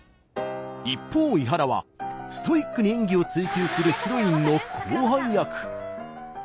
一方伊原はストイックに演技を追求するヒロインの後輩役。